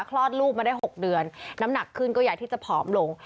คลอดลูกมาได้๖เดือนน้ำหนักขึ้นก็อยากที่จะผอมลง